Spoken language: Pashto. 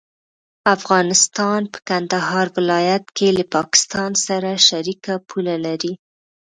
افغانستان په کندهار ولايت کې له پاکستان سره شریکه پوله لري.